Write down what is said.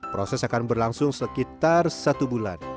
proses akan berlangsung sekitar satu bulan